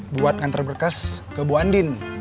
buat ngantre berkes ke bu andin